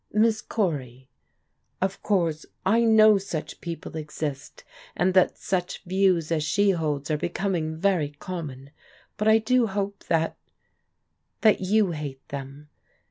" Miss Cory. Of course, I know such people exist, and that such views as she holds are becoming very com mon, but I do hope that — ^that you hate them.